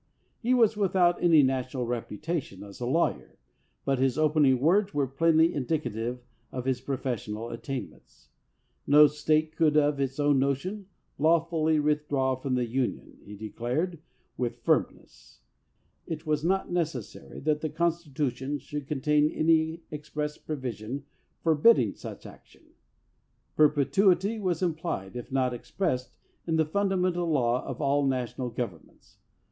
He was without any national reputa tion as a lawyer, but his opening words were plainly indicative of his professional attainments. No State could, of its own motion, lawfully withdraw from the Union, he declared with firm 295 LINCOLN THE LAWYER ness. It was not necessary that the Constitution should contain any express provision forbidding such action. Perpetuity was implied, if not ex pressed, in the fundamental law of all national governments.